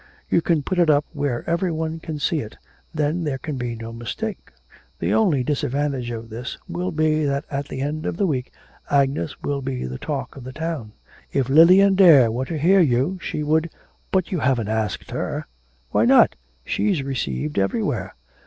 You can put it up where every one can see it, then there can be no mistake. The only disadvantage of this will be that at the end of the week Agnes will be the talk of the town. If Lilian Dare were to hear you she would ' 'But you haven't asked her?' 'Why not? she's received everywhere.'